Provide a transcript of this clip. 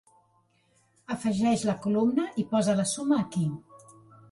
Afegeix la columna i posa la suma aquí.